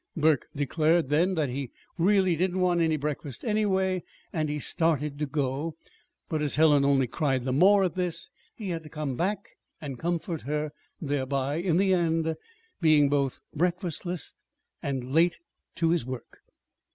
Burke declared then that he really did not want any breakfast anyway, and he started to go; but as Helen only cried the more at this, he had to come back and comfort her thereby, in the end, being both breakfastless and late to his work.